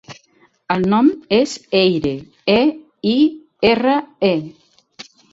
El nom és Eire: e, i, erra, e.